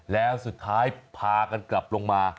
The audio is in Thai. แล้วสุดท้ายพากันกลับลงมา